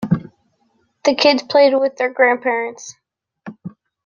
The kids played with their grandparents.